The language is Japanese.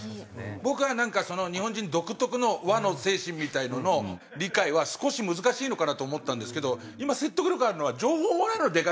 僕はなんかその日本人独特の和の精神みたいなのの理解は少し難しいのかなと思ったんですけど今説得力があるのは情報もらえるのはでかいですよね。